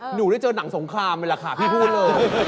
หนูได้เจอหนังสงครามไหมล่ะค่ะพี่พูดเลย